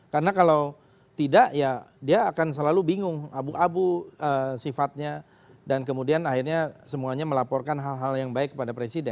karena kalau tidak ya dia akan selalu bingung abu abu sifatnya dan kemudian akhirnya semuanya melaporkan hal hal yang baik kepada presiden